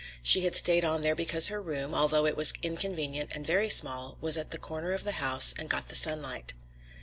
She had stayed on there because her room, although it was inconvenient and very small, was at the corner of the house and got the sunlight.